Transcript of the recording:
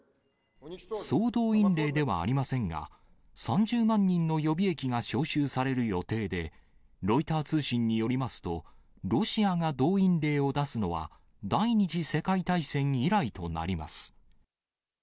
総動員令ではありませんが、３０万人の予備役が招集される予定で、ロイター通信によりますと、ロシアが動員令を出すのは、第２次世界大戦以来となります。